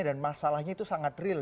dan masalahnya itu sangat real